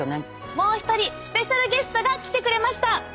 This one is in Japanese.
もう一人スペシャルゲストが来てくれました！